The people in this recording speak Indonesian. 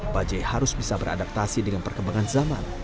bajai harus bisa beradaptasi dengan perkembangan zaman